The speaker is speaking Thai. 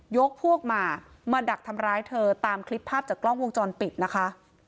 ยกพวกมามาดักทำร้ายเธอตามคลิปภาพจากกล้องวงจรปิดนะคะ